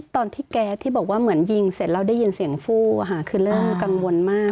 แก๊สที่บอกว่าเหมือนยิงเสร็จแล้วได้ยินเสียงฟู้คือเริ่มกังวลมาก